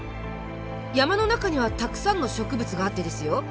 山の中にはたくさんの植物があってですよ